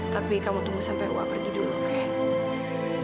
tapi kamu tunggu sampai wak pergi dulu oke